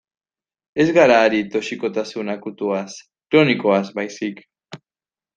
Ez gara ari toxikotasun akutuaz, kronikoaz baizik.